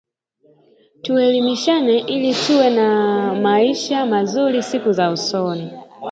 Tuelimishane ili tuwe na maisha mazuri siku za usoni